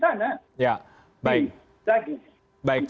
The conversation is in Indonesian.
kita punya masalah dalam proses pengumpulan data